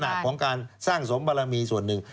ของการสร้างสมบารมีส่วนหนึ่ง